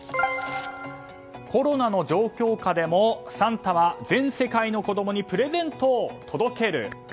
コロナの状況下でもサンタは全世界の子供にプレゼントを届ける。